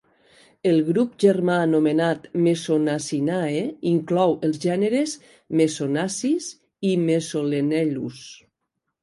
El grup germà anomenat Mesonacinae inclou els gèneres Mesonacis i Mesolenellus.